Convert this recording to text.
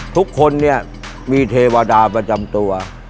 ทุกคนเนี่ยมีเทวดาประจำตัว